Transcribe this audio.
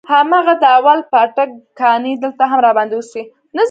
هماغه د اول پاټک کانې دلته هم راباندې وسوې.